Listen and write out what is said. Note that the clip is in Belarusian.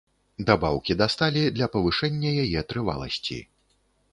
Дабаўкі да сталі для павышэння яе трываласці.